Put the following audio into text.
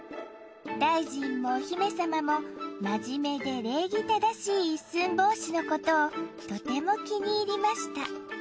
大臣もお姫様も真面目で礼儀正しい一寸法師のことをとても気に入りました。